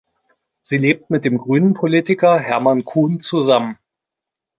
Sie lebt mit dem Grünen-Politiker Hermann Kuhn zusammen.